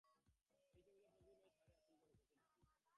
এই ছবিতে প্রতিটি মেয়ে শাড়ির আঁচল রেখেছে ডান কাঁধে।